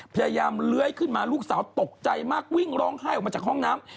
เลื้อยขึ้นมาลูกสาวตกใจมากวิ่งร้องไห้ออกมาจากห้องน้ำ